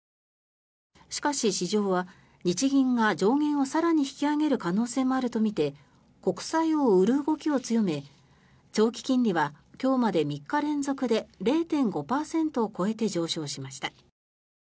しかし、市場は日銀が上限を更に引き上げる可能性もあるとみて国債を売る動きを強め長期金利は今日まで３日連続で０．５％を超えて上昇しました。